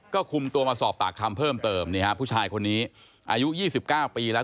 ก็คุมตัวมาสอบปากคำเพิ่มเติมนี่ฮะผู้ชายคนนี้อายุ๒๙ปีแล้ว